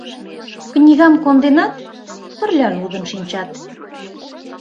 Книгам конденат, пырля лудын шинчат.